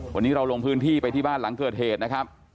วันนี้เราลงพื้นที่ไปที่บ้านหลังเกิดเหตุนะครับ